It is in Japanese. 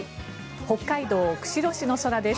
北海道釧路市の空です。